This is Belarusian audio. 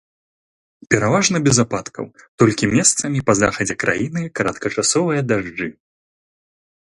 Пераважна без ападкаў, толькі месцамі па захадзе краіны кароткачасовыя дажджы.